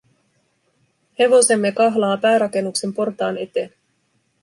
Hevosemme kahlaa päärakennuksen portaan eteen.